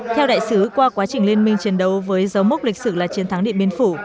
theo đại sứ qua quá trình liên minh chiến đấu với dấu mốc lịch sử là chiến thắng điện biên phủ